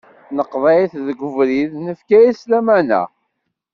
Neqḍeɛ-it deg ubrid nefka-as lamana.